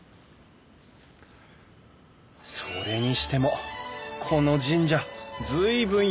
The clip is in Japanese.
それにしてもこの神社随分横に長い。